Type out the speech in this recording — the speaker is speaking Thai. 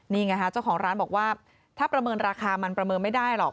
นี่ไงฮะเจ้าของร้านบอกว่าถ้าประเมินราคามันประเมินไม่ได้หรอก